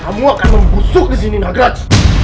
kamu akan membusuk disini nagraj